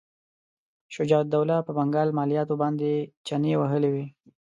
شجاع الدوله په بنګال مالیاتو باندې چنې وهلې وې.